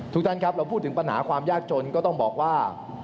ทุกท่านครับเราพูดถึงปัญหาความยากจนก็ต้องบอกว่า